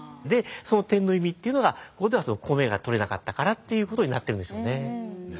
でその点の意味っていうのがここでは米が取れなかったからっていうことになってるんでしょうね。